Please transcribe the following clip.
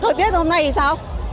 thời tiết hôm nay thì sao